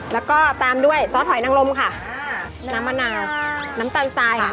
แล้วก็ตามด้วยซอสหอยนังลมค่ะน้ำมะนาวน้ำตาลทรายค่ะ